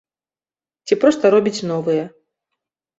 Ці проста робіць новыя.